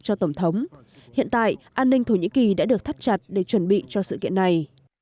cho tổng thống hiện tại an ninh thổ nhĩ kỳ đã được thắt chặt để chuẩn bị cho sự kiện này